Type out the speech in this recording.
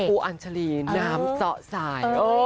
ที่ปูอัญชลีนน้ำเศร้าสาย